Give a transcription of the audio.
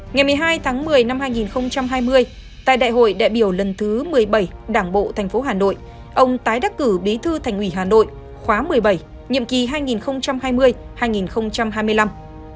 ngày một mươi hai tháng một mươi năm hai nghìn hai mươi tại đại hội đại biểu lần thứ một mươi bảy đảng bộ tp hà nội ông tái đắc cử bí thư thành ủy hà nội khóa một mươi bảy nhiệm kỳ hai nghìn hai mươi hai nghìn hai mươi năm